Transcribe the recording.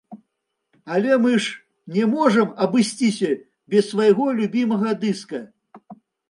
Але мы ж не можам абысціся без свайго любімага дыска.